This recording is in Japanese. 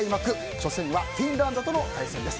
初戦はフィンランドとの対戦です。